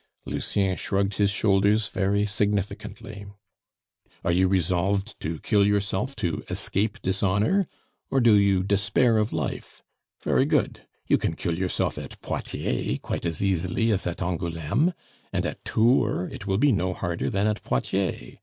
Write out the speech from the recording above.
Lucien shrugged his shoulders very significantly. "Are you resolved to kill yourself to escape dishonor, or do you despair of life? Very good. You can kill yourself at Poitiers quite as easily as at Angouleme, and at Tours it will be no harder than at Poitiers.